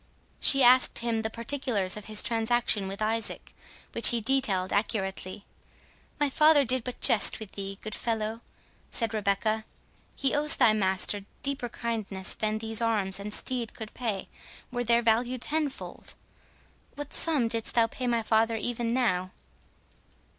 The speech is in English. She asked him the particulars of his transaction with Isaac, which he detailed accurately. "My father did but jest with thee, good fellow," said Rebecca; "he owes thy master deeper kindness than these arms and steed could pay, were their value tenfold. What sum didst thou pay my father even now?"